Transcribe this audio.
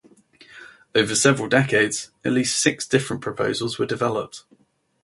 Over several decades At least six different proposals were developed.